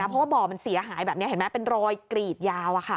เพราะว่าบ่อมันเสียหายแบบนี้เห็นไหมเป็นรอยกรีดยาว